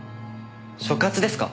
所轄ですか？